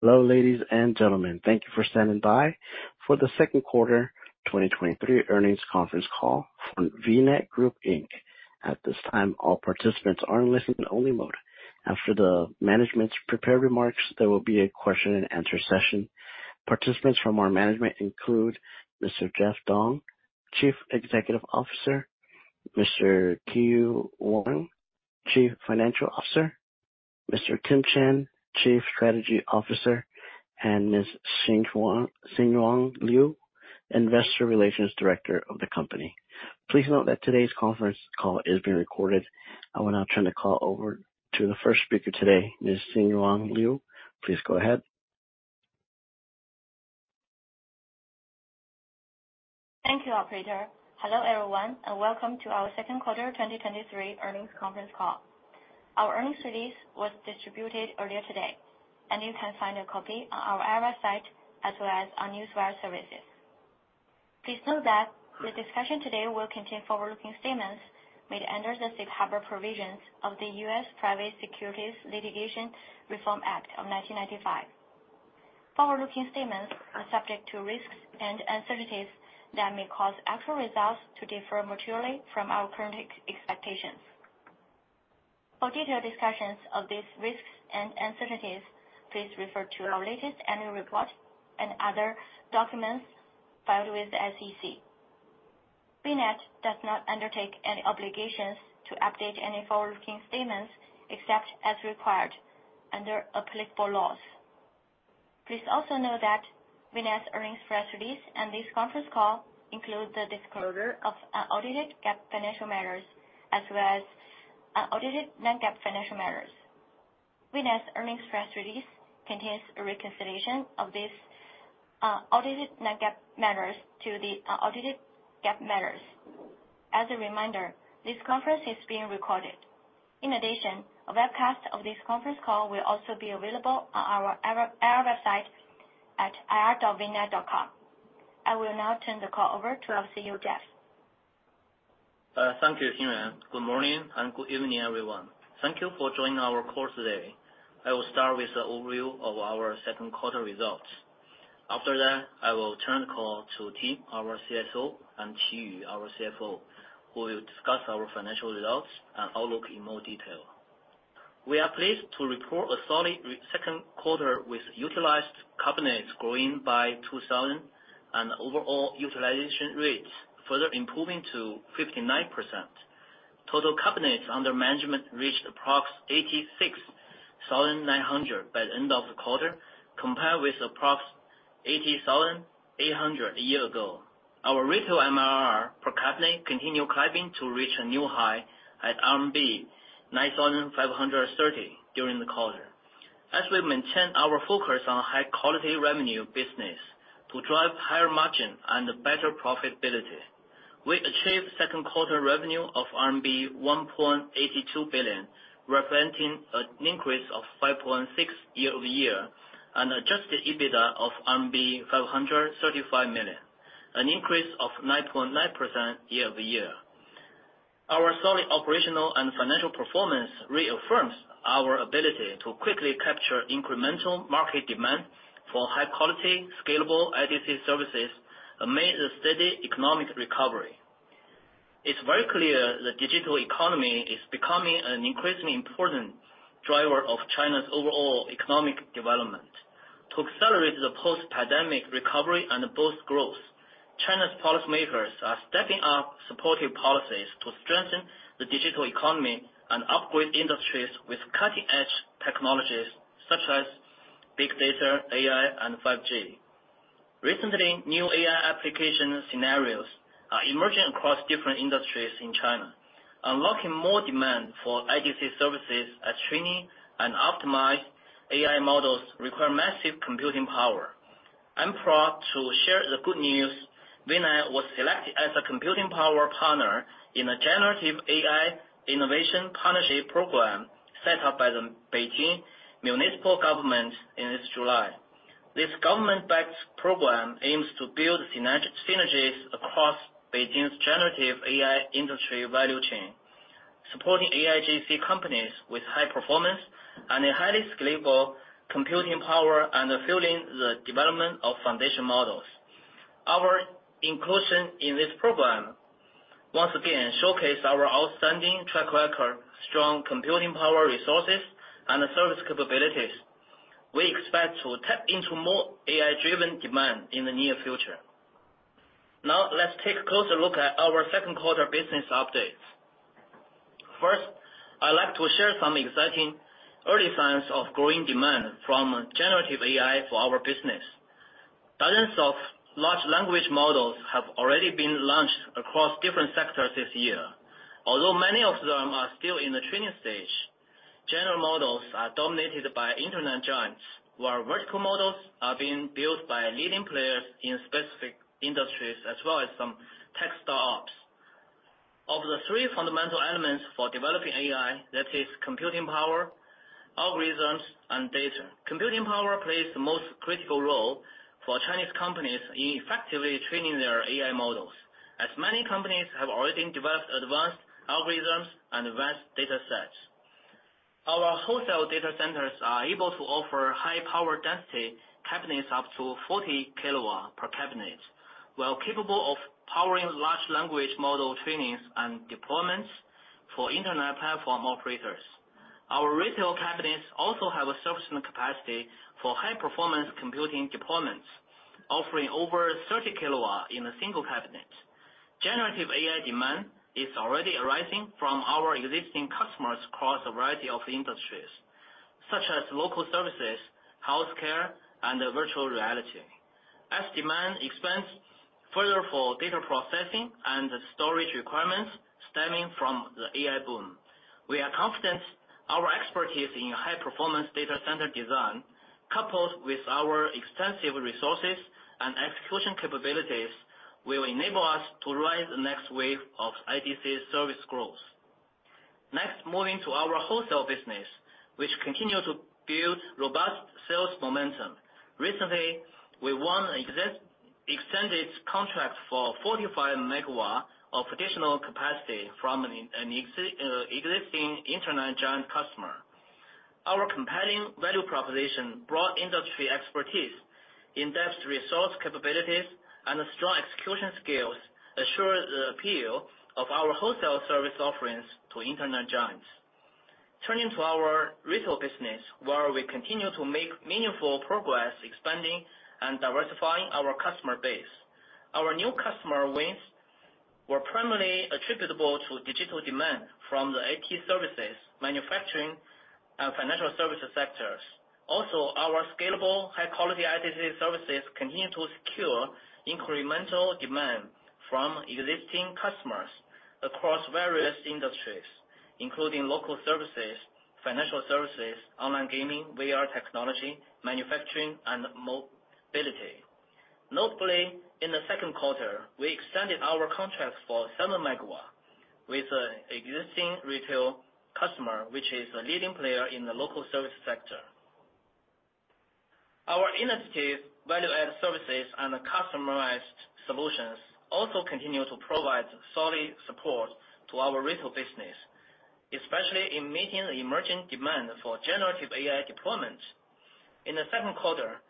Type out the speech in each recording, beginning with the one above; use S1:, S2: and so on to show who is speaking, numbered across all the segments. S1: Hello, ladies and gentlemen. Thank you for standing by for the Q2 2023 Earnings Conference Call from VNET Group, Inc. At this time, all participants are in listen-only mode. After the management's prepared remarks, there will be a question and answer session. Participants from our management include Mr. Jeff Dong, Chief Executive Officer, Mr. Qiyu Wang, Chief Financial Officer, Mr. Tim Chen, Chief Strategy Officer, and Ms. Xinyuan Liu, Investor Relations Director of the company. Please note that today's conference call is being recorded. I will now turn the call over to the first speaker today, Ms. Xinyuan Liu. Please go ahead.
S2: Thank you, operator. Hello, everyone, and welcome to our second quarter 2023 earnings conference call. Our earnings release was distributed earlier today, and you can find a copy on our IR website as well as our news wire services. Please note that the discussion today will contain forward-looking statements made under the safe harbor provisions of the U.S. Private Securities Litigation Reform Act of 1995. Forward-looking statements are subject to risks and uncertainties that may cause actual results to differ materially from our current expectations. For detailed discussions of these risks and uncertainties, please refer to our latest annual report and other documents filed with the SEC. VNET does not undertake any obligations to update any forward-looking statements, except as required under applicable laws. Please also know that VNET's earnings press release and this conference call include the disclosure of audited GAAP financial matters as well as audited non-GAAP financial matters. VNET's earnings press release contains a reconciliation of this audited non-GAAP matters to the audited GAAP matters. As a reminder, this conference is being recorded. In addition, a webcast of this conference call will also be available on our IR website at ir.vnet.com. I will now turn the call over to our CEO, Jeff.
S3: Thank you, Xinyuan. Good morning and good evening, everyone. Thank you for joining our call today. I will start with the overview of our second quarter results. After that, I will turn the call to Tim, our CSO, and Qiyu, our CFO, who will discuss our financial results and outlook in more detail. We are pleased to report a solid second quarter with utilized cabinets growing by 2,000, and overall utilization rates further improving to 59%. Total cabinets under management reached approx 86,900 by the end of the quarter, compared with approx 80,800 a year ago. Our retail MRR per cabinet continued climbing to reach a new high at RMB 9,530 during the quarter. As we maintain our focus on high-quality revenue business to drive higher margin and better profitability, we achieved second quarter revenue of RMB 1.82 billion, representing an increase of 5.6 year-over-year, and adjusted EBITDA of RMB 535 million, an increase of 9.9% year-over-year. Our solid operational and financial performance reaffirms our ability to quickly capture incremental market demand for high-quality, scalable IDC services amid the steady economic recovery. It's very clear the digital economy is becoming an increasingly important driver of China's overall economic development. To accelerate the post-pandemic recovery and boost growth, China's policymakers are stepping up supportive policies to strengthen the digital economy and upgrade industries with cutting-edge technologies such as big data, AI, and 5G. Recently, new AI application scenarios are emerging across different industries in China, unlocking more demand for IDC services as training and optimized AI models require massive computing power. I'm proud to share the good news. VNET was selected as a computing power partner in a generative AI innovation partnership program set up by the Beijing Municipal Government in this July. This government-backed program aims to build synergies across Beijing's generative AI industry value chain, supporting AIGC companies with high performance and a highly scalable computing power and fueling the development of foundation models. Our inclusion in this program, once again, showcase our outstanding track record, strong computing power resources, and service capabilities. We expect to tap into more AI-driven demand in the near future. Now, let's take a closer look at our second quarter business updates. First, I'd like to share some exciting early signs of growing demand from generative AI for our business. Dozens of large language models have already been launched across different sectors this year. Although many of them are still in the training stage, general models are dominated by internet giants, while vertical models are being built by leading players in specific industries, as well as some tech startups. Of the three fundamental elements for developing AI, that is computing power, algorithms, and data, computing power plays the most critical role. For Chinese companies in effectively training their AI models, as many companies have already developed advanced algorithms and advanced data sets. Our wholesale data centers are able to offer high power density cabinets up to 40 kW per cabinet, while capable of powering large language model trainings and deployments for internet platform operators. Our retail cabinets also have a servicing capacity for high-performance computing deployments, offering over 30 kW in a single cabinet. Generative AI demand is already arising from our existing customers across a variety of industries, such as local services, healthcare, and virtual reality. As demand expands further for data processing and storage requirements stemming from the AI boom, we are confident our expertise in high-performance data center design, coupled with our extensive resources and execution capabilities, will enable us to ride the next wave of IDC service growth. Next, moving to our wholesale business, which continue to build robust sales momentum. Recently, we won an extended contract for 45 MW of additional capacity from an existing internet giant customer. Our compelling value proposition, broad industry expertise, in-depth resource capabilities, and strong execution skills assure the appeal of our wholesale service offerings to internet giants. Turning to our retail business, where we continue to make meaningful progress expanding and diversifying our customer base. Our new customer wins were primarily attributable to digital demand from the IT services, manufacturing, and financial services sectors. Also, our scalable, high-quality IDC services continue to secure incremental demand from existing customers across various industries, including local services, financial services, online gaming, VR technology, manufacturing, and mobility. Notably, in the second quarter, we extended our contracts for 7 megawatts with an existing retail customer, which is a leading player in the local service sector. Our innovative value-added services and customized solutions also continue to provide solid support to our retail business, especially in meeting the emerging demand for generative AI deployments. In the second quarter,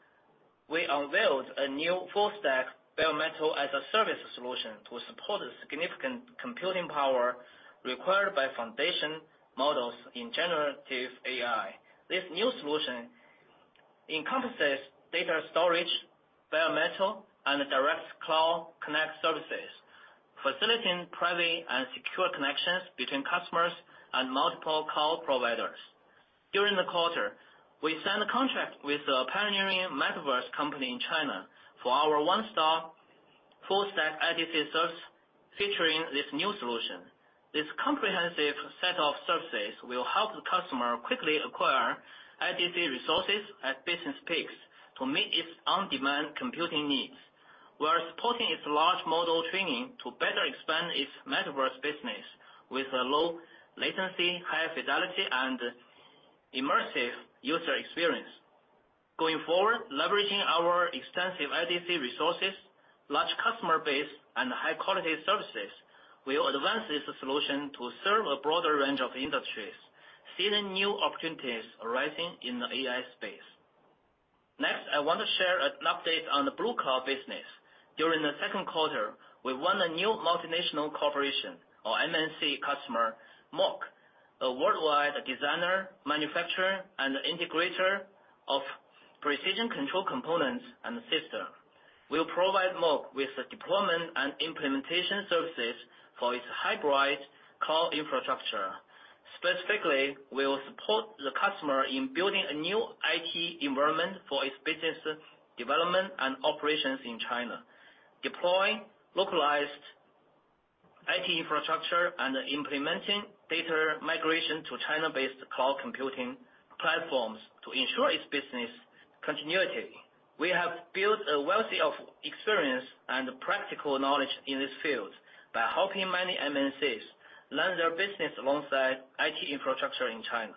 S3: we unveiled a new full-stack bare metal as a service solution to support the significant computing power required by foundation models in generative AI. This new solution encompasses data storage, bare metal, and direct cloud connect services, facilitating private and secure connections between customers and multiple cloud providers. During the quarter, we signed a contract with a pioneering metaverse company in China for our one-stop full-stack IDC service featuring this new solution. This comprehensive set of services will help the customer quickly acquire IDC resources at business peaks to meet its on-demand computing needs. We are supporting its large model training to better expand its metaverse business with a low latency, high fidelity, and immersive user experience. Going forward, leveraging our extensive IDC resources, large customer base, and high-quality services, we will advance this solution to serve a broader range of industries, seeing new opportunities arising in the AI space. Next, I want to share an update on the Blue Cloud business. During the second quarter, we won a new multinational corporation, or MNC customer, Moog, a worldwide designer, manufacturer, and integrator of precision control components and system. We'll provide Moog with the deployment and implementation services for its hybrid cloud infrastructure. Specifically, we will support the customer in building a new IT environment for its business development and operations in China, deploying localized IT infrastructure and implementing data migration to China-based cloud computing platforms to ensure its business continuity. We have built a wealth of experience and practical knowledge in this field by helping many MNCs land their business alongside IT infrastructure in China.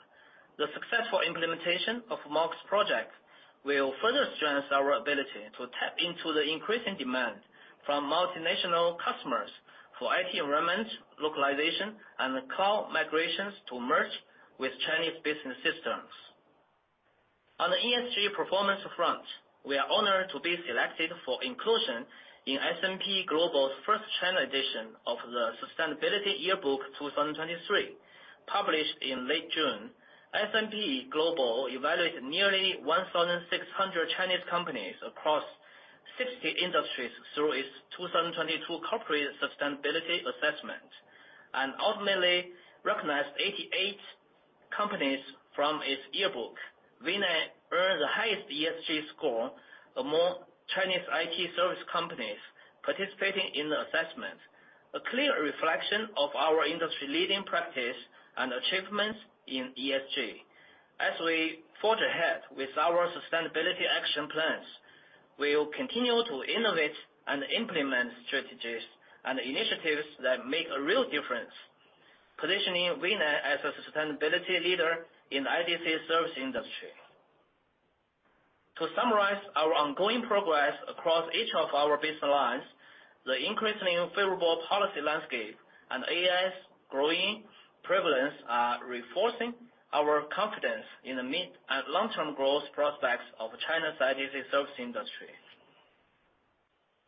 S3: The successful implementation of Moog's project will further strengthen our ability to tap into the increasing demand from multinational customers for IT environment, localization, and cloud migrations to merge with Chinese business systems. On the ESG performance front, we are honored to be selected for inclusion in S&P Global's first China edition of the Sustainability Yearbook 2023, published in late June. S&P Global evaluated nearly 1,600 Chinese companies across 60 industries through its 2022 corporate sustainability assessment, and ultimately recognized 88 companies from its yearbook. We have earned the highest ESG score among Chinese IT service companies participating in the assessment, a clear reflection of our industry-leading practice and achievements in ESG. As we forge ahead with our sustainability action plans, we will continue to innovate and implement strategies and initiatives that make a real difference... positioning VNET as a sustainability leader in the IDC service industry. To summarize our ongoing progress across each of our business lines, the increasing favorable policy landscape and AI's growing prevalence are reinforcing our confidence in the mid- and long-term growth prospects of China's IDC service industry.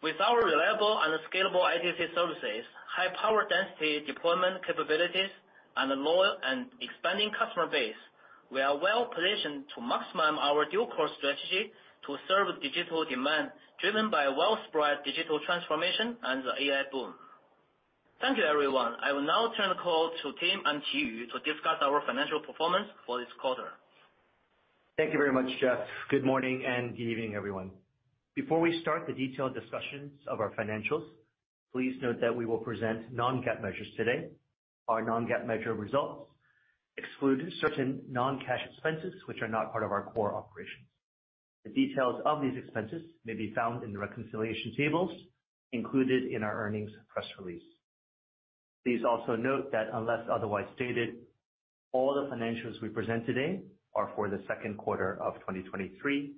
S3: With our reliable and scalable IDC services, high power density deployment capabilities, and a loyal and expanding customer base, we are well positioned to maximize our dual-core strategy to serve digital demand, driven by a well-spread digital transformation and the AI boom. Thank you, everyone. I will now turn the call to Tim and Qiyu to discuss our financial performance for this quarter.
S4: Thank you very much, Jeff. Good morning, and good evening, everyone. Before we start the detailed discussions of our financials, please note that we will present non-GAAP measures today. Our non-GAAP measure results exclude certain non-cash expenses, which are not part of our core operations. The details of these expenses may be found in the reconciliation tables included in our earnings press release. Please also note that unless otherwise stated, all the financials we present today are for the second quarter of 2023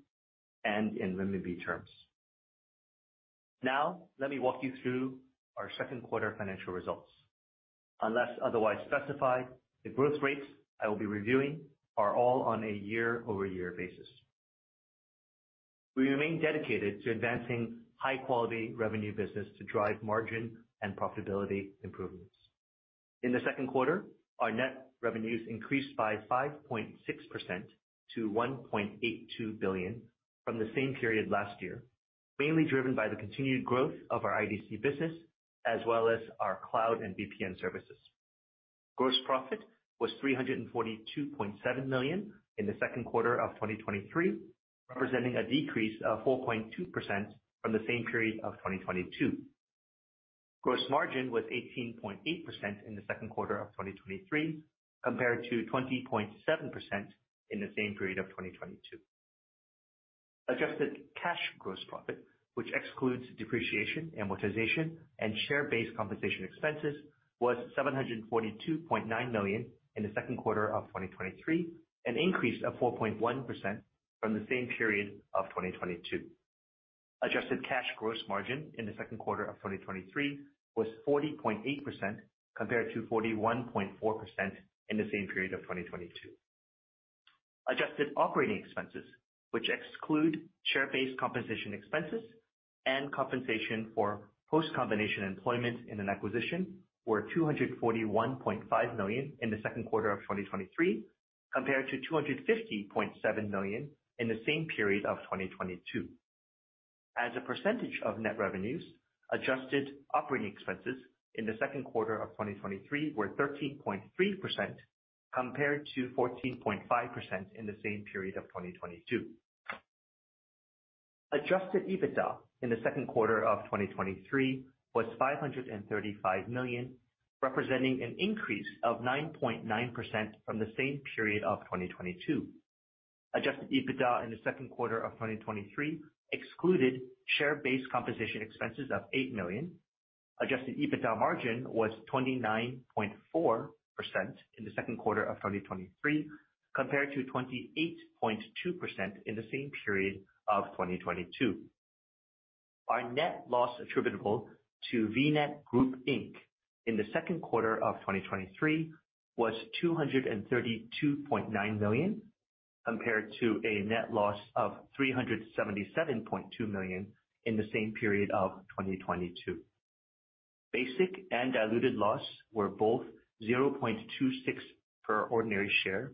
S4: and in renminbi terms. Now, let me walk you through our second quarter financial results. Unless otherwise specified, the growth rates I will be reviewing are all on a year-over-year basis. We remain dedicated to advancing high-quality revenue business to drive margin and profitability improvements. In the second quarter, our net revenues increased by 5.6% to 1.82 billion from the same period last year, mainly driven by the continued growth of our IDC business, as well as our cloud and VPN services. Gross profit was 342.7 million in the second quarter of 2023, representing a decrease of 4.2% from the same period of 2022. Gross margin was 18.8% in the second quarter of 2023, compared to 20.7% in the same period of 2022. Adjusted cash gross profit, which excludes depreciation, amortization, and share-based compensation expenses, was 742.9 million in the second quarter of 2023, an increase of 4.1% from the same period of 2022. Adjusted cash gross margin in the second quarter of 2023 was 40.8%, compared to 41.4% in the same period of 2022. Adjusted operating expenses, which exclude share-based compensation expenses and compensation for post-combination employment in an acquisition, were 241.5 million in the second quarter of 2023, compared to 250.7 million in the same period of 2022. As a percentage of net revenues, adjusted operating expenses in the second quarter of 2023 were 13.3%, compared to 14.5% in the same period of 2022. Adjusted EBITDA in the second quarter of 2023 was 535 million, representing an increase of 9.9% from the same period of 2022. Adjusted EBITDA in the second quarter of 2023 excluded share-based compensation expenses of 8 million. Adjusted EBITDA margin was 29.4% in the second quarter of 2023, compared to 28.2% in the same period of 2022. Our net loss attributable to VNET Group, Inc. in the second quarter of 2023 was 232.9 million, compared to a net loss of 377.2 million in the same period of 2022. Basic and diluted loss were both 0.26 per ordinary share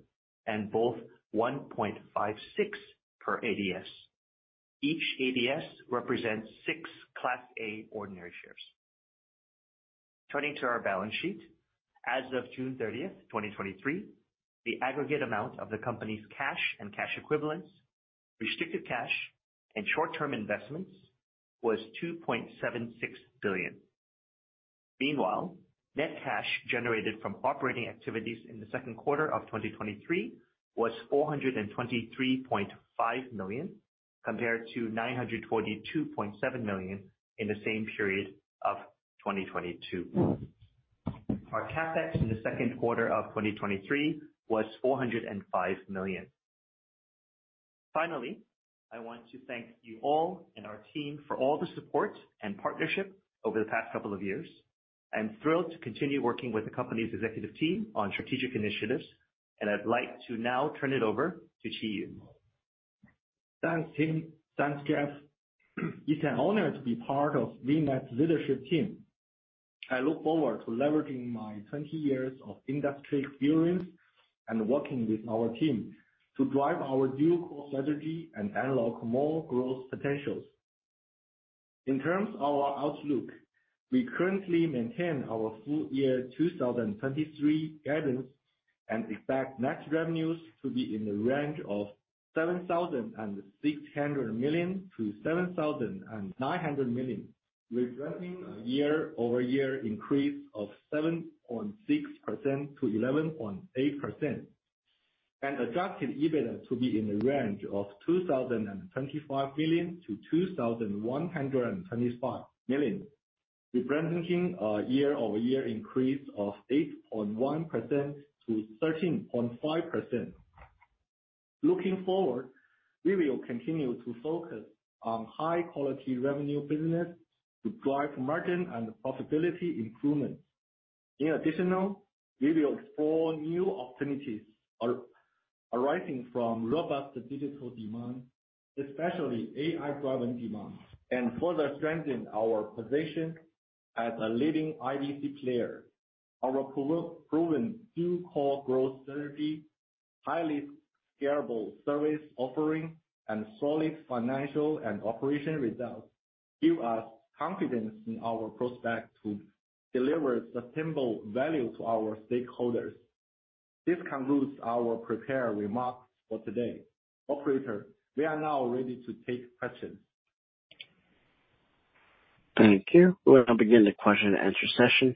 S4: and both 1.56 per ADS. Each ADS represents six Class A ordinary shares. Turning to our balance sheet. As of June 30, 2023, the aggregate amount of the company's cash and cash equivalents, restricted cash, and short-term investments was 2.76 billion. Meanwhile, net cash generated from operating activities in the second quarter of 2023 was 423.5 million, compared to 942.7 million in the same period of 2022. Our CapEx in the second quarter of 2023 was 405 million. Finally, I want to thank you all and our team for all the support and partnership over the past couple of years. I'm thrilled to continue working with the company's executive team on strategic initiatives, and I'd like to now turn it over to Qiyu.
S5: Thanks, Tim. Thanks, Jeff. It's an honor to be part of VNET's leadership team. I look forward to leveraging my 20 years of industry experience and working with our team to drive our dual-core strategy and unlock more growth potentials. In terms of our outlook, we currently maintain our full year 2023 guidance and expect net revenues to be in the range of 7,600 million-7,900 million, representing a year-over-year increase of 7.6%-11.8%... and adjusted EBITDA to be in the range of 2,025 million-2,125 million, representing a year-over-year increase of 8.1%-13.5%. Looking forward, we will continue to focus on high-quality revenue business to drive margin and profitability improvement. In addition, we will explore new opportunities arising from robust digital demand, especially AI-driven demand, and further strengthen our position as a leading IDC player. Our proven two-core growth strategy, highly scalable service offering, and solid financial and operational results give us confidence in our prospects to deliver sustainable value to our stakeholders. This concludes our prepared remarks for today. Operator, we are now ready to take questions.
S1: Thank you. We'll now begin the question and answer session.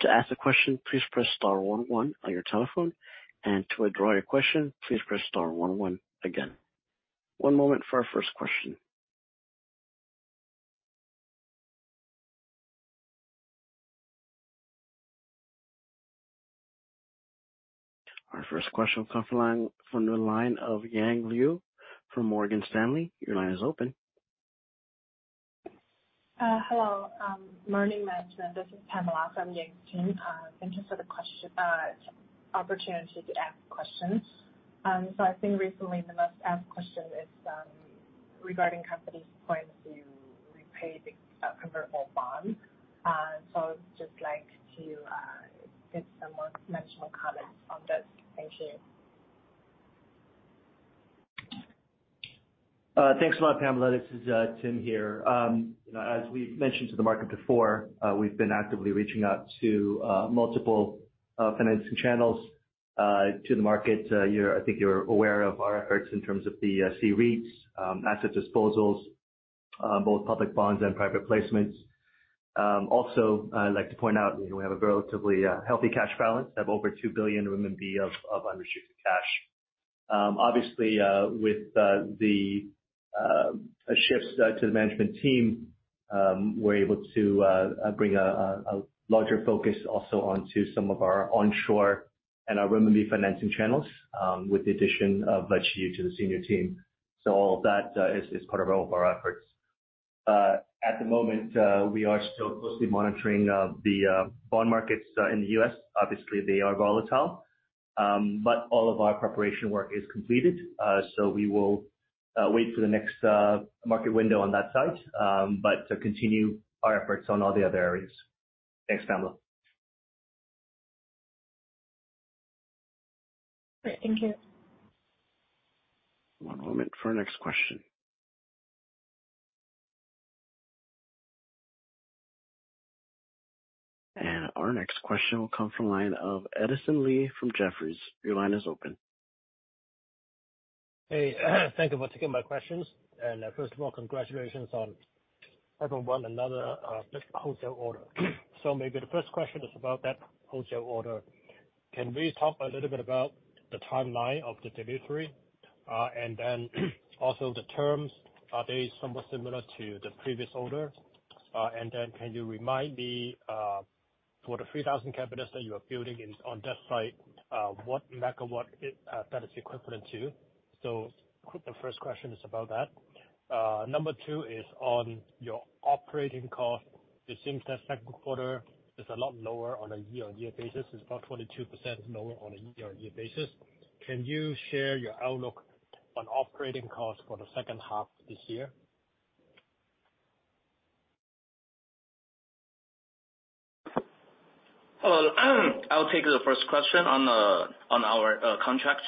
S1: To ask a question, please press star one one on your telephone, and to withdraw your question, please press star one one again. One moment for our first question. Our first question come from the line of Yang Liu from Morgan Stanley. Your line is open.
S6: Hello, morning, management. This is Pamela from Yang Team. Thanks for the opportunity to ask questions. So I think recently the most asked question is regarding the company's plan to repay the convertible bond. So I'd just like to get some more dimensional comments on this. Thank you.
S4: Thanks a lot, Pamela. This is Tim here. You know, as we've mentioned to the market before, we've been actively reaching out to multiple financing channels to the market. I think you're aware of our efforts in terms of the C-REITs, asset disposals, both public bonds and private placements. Also, I'd like to point out, you know, we have a relatively healthy cash balance of over 2 billion RMB of unrestricted cash. Obviously, with the shifts to the management team, we're able to bring a larger focus also onto some of our onshore and our renminbi financing channels, with the addition of Bai Xu to the senior team. So all of that is part of all of our efforts. At the moment, we are still closely monitoring the bond markets in the U.S. Obviously, they are volatile, but all of our preparation work is completed. So we will wait for the next market window on that side, but to continue our efforts on all the other areas. Thanks, Pamela.
S6: Great. Thank you.
S1: One moment for our next question. Our next question will come from the line of Edison Lee from Jefferies. Your line is open.
S7: Hey, thank you for taking my questions. First of all, congratulations on having won another wholesale order. So maybe the first question is about that wholesale order. Can we talk a little bit about the timeline of the delivery? And then, also the terms, are they somewhat similar to the previous order? And then can you remind me, for the 3,000 cabinets that you are building in on that site, what megawatt that is equivalent to? So the first question is about that. Number two is on your operating cost. It seems that second quarter is a lot lower on a year-on-year basis. It's about 22% lower on a year-on-year basis. Can you share your outlook on operating costs for the second half this year?
S3: Well, I'll take the first question on our contracts.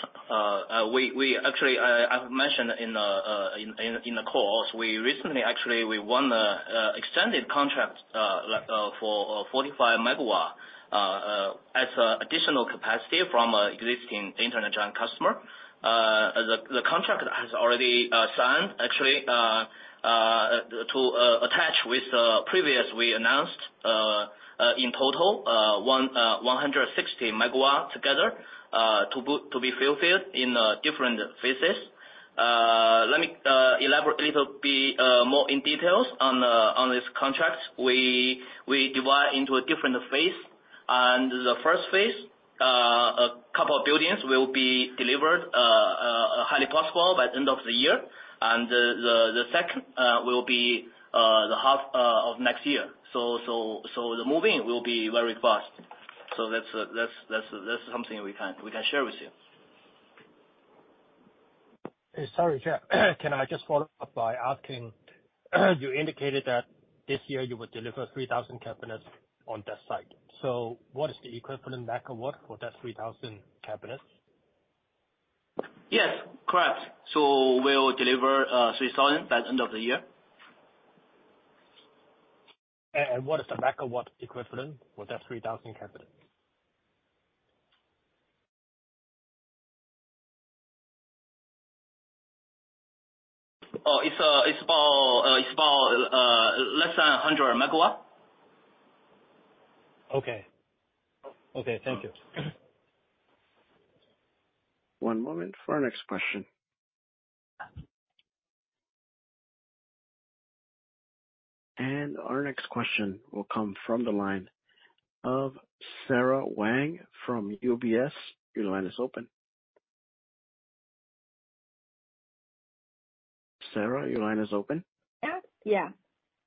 S3: We actually, I've mentioned in the calls, we recently actually won an extended contract, like, for 45 MW as additional capacity from existing internet giant customer. The contract has already signed actually to attach with previous we announced, in total, 160 MW together to be fulfilled in different phases. Let me elaborate a little bit more in details on this contract. We divide into a different phase, and the first phase, a couple of buildings will be delivered, highly possible by the end of the year. The second will be the half of next year. So the moving will be very fast. So that's something we can share with you.
S7: Hey, sorry, yeah. Can I just follow up by asking, you indicated that this year you would deliver 3,000 cabinets on that site. So what is the equivalent megawatt for that 3,000 cabinets?
S3: Yes, correct. So we'll deliver 3,000 by the end of the year.
S7: What is the megawatt equivalent for that 3,000 cabinets?
S3: Oh, it's about less than 100 megawatts.
S8: Okay. Okay, thank you.
S1: One moment for our next question. Our next question will come from the line of Sarah Wang from UBS. Your line is open. Sarah, your line is open.
S9: Yeah, yeah.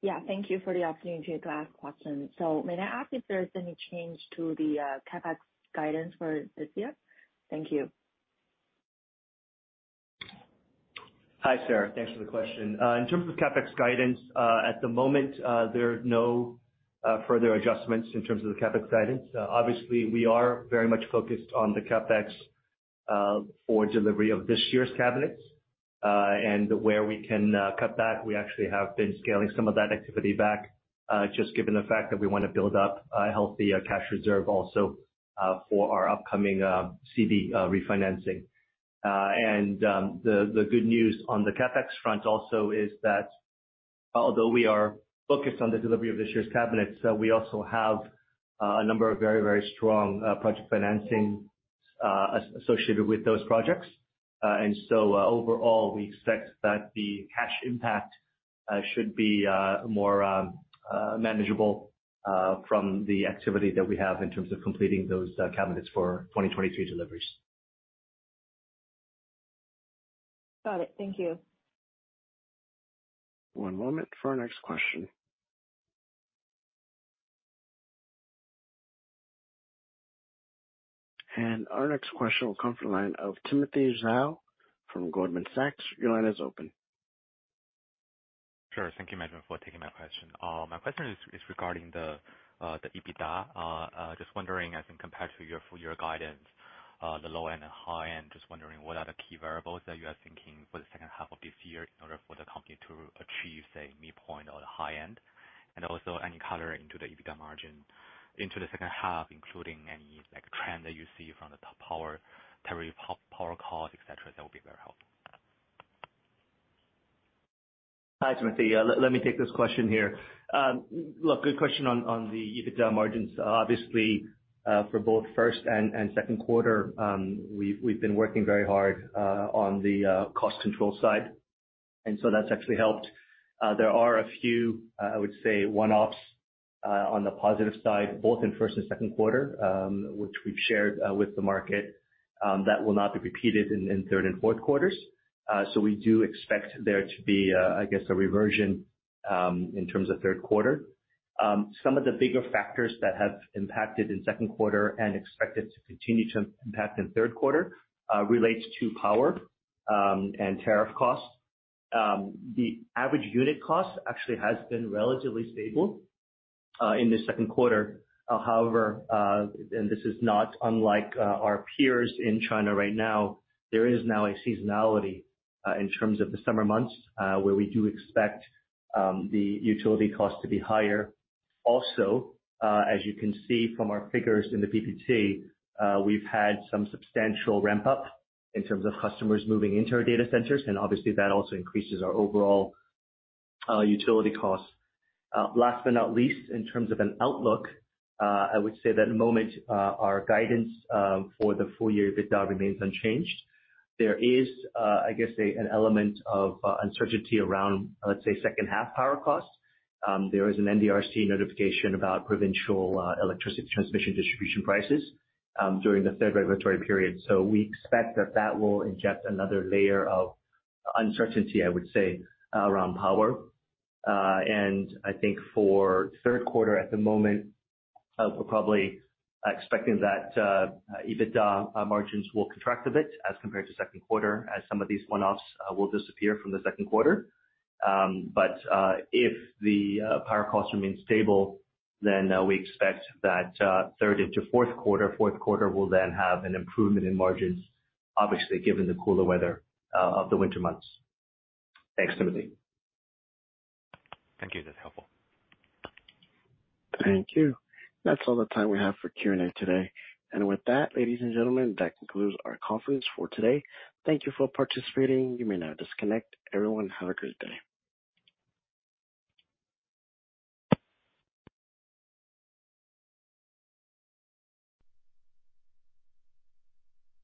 S9: Yeah, thank you for the opportunity to ask question. So may I ask if there's any change to the CapEx guidance for this year? Thank you.
S4: Hi, Sarah. Thanks for the question. In terms of CapEx guidance, at the moment, there are no further adjustments in terms of the CapEx guidance. Obviously, we are very much focused on the CapEx for delivery of this year's cabinets. And where we can cut back, we actually have been scaling some of that activity back, just given the fact that we want to build up a healthy cash reserve also for our upcoming C-REIT refinancing. And the good news on the CapEx front also is that although we are focused on the delivery of this year's cabinets, we also have a number of very, very strong project financing associated with those projects. And so, overall, we expect that the cash impact should be more manageable from the activity that we have in terms of completing those cabinets for 2023 deliveries.
S9: Got it. Thank you.
S1: One moment for our next question. Our next question will come from the line of Timothy Zhao from Goldman Sachs. Your line is open.
S8: Sure. Thank you, gentlemen, for taking my question. My question is regarding the EBITDA. Just wondering, as in compared to your full year guidance, the low end and high end, just wondering what are the key variables that you are thinking for the second half of this year in order for the company to achieve, say, midpoint or the high end? And also any color into the EBITDA margin into the second half, including any, like, trend that you see from the top power, tariff, power cost, et cetera, that would be very helpful.
S4: Hi, Timothy. Let me take this question here. Look, good question on the EBITDA margins. Obviously, for both first and second quarter, we've been working very hard on the cost control side, and so that's actually helped. There are a few, I would say, one-offs on the positive side, both in first and second quarter, which we've shared with the market, that will not be repeated in third and fourth quarters. So re do expect there to be, I guess, a reversion in terms of third quarter. Some of the bigger factors that have impacted in second quarter and expected to continue to impact in third quarter relates to power and tariff costs. The average unit cost actually has been relatively stable in the second quarter. However, and this is not unlike our peers in China right now, there is now a seasonality in terms of the summer months where we do expect the utility costs to be higher. Also, as you can see from our figures in the PPT, we've had some substantial ramp-up in terms of customers moving into our data centers, and obviously, that also increases our overall utility costs. Last but not least, in terms of an outlook, I would say that at the moment our guidance for the full year EBITDA remains unchanged. There is, I guess, an element of uncertainty around, let's say, second half power costs. There is an NDRC notification about provincial electricity transmission distribution prices during the third regulatory period. So we expect that that will inject another layer of uncertainty, I would say, around power. And I think for third quarter at the moment, we're probably expecting that EBITDA margins will contract a bit as compared to second quarter as some of these one-offs will disappear from the second quarter. But if the power costs remain stable, then we expect that third into fourth quarter, fourth quarter will then have an improvement in margins, obviously, given the cooler weather of the winter months. Thanks, Timothy.
S8: Thank you. That's helpful.
S1: Thank you. That's all the time we have for Q&A today. With that, ladies and gentlemen, that concludes our conference for today. Thank you for participating. You may now disconnect. Everyone, have a great day.